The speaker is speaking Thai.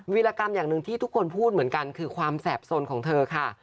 วิรกรรมอย่างหนึ่งที่ทุกคนพูดเหมือนกันคือความแสบสนของเธอค่ะ